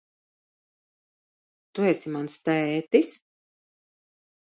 Tu esi mans tētis?